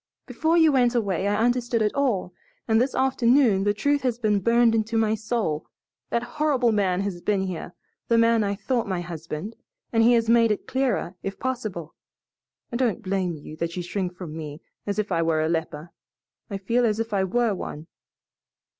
Before you went away I understood it all, and this afternoon the truth has been burned into my soul. That horrible man has been here the man I thought my husband and he has made it clearer, if possible. I don't blame you that you shrink from me as if I were a leper. I feel as if I were one."